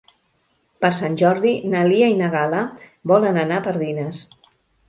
Per Sant Jordi na Lia i na Gal·la volen anar a Pardines.